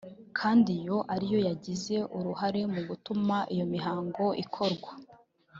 kandi iyo ari yo yagize uruhare mu gutuma iyo mihango ikorwa